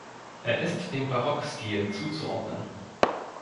Er ist dem Barockstil zuzuordnen.